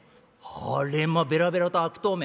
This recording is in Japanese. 「あれまベラベラと悪党め」。